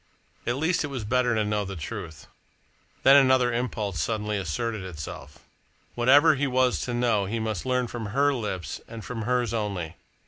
At least it was better to know the truth! Then another impulse suddenly asserted itself. Whatever he was to know he must learn from her lips and from hers only.